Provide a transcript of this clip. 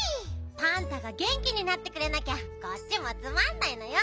パンタがげんきになってくれなきゃこっちもつまんないのよ。